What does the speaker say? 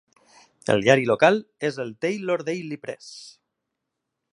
El diari local és el 'Taylor Daily Press'.